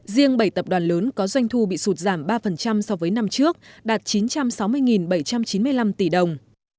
riêng bảy tập đoàn lớn có doanh thu bị sụt giảm ba so với năm trước đạt chín trăm sáu mươi bảy trăm chín mươi năm tỷ đồng